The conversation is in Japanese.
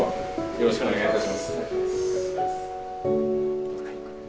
よろしくお願いします。